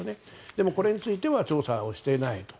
でもこれについては調査をしていないと。